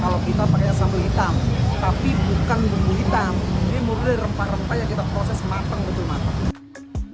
kalau kita pakai sambal hitam tapi bukan bumbu hitam ini murni dari rempah rempah yang kita proses matang betul matang